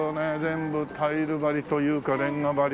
全部タイル張りというかレンガ張りの。